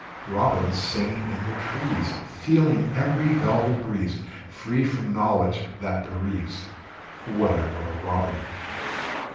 Robins singing in the trees, Feeling every velvet breeze, Free from knowledge that bereaves. Would I were a robin!